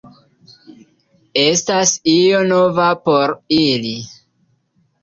Estas io nova por ili.